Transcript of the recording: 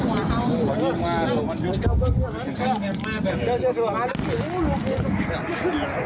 โอ้โฮลูกเท้าตัวดี